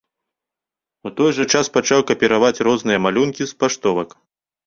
У той жа час пачаў капіраваць розныя малюнкі з паштовак.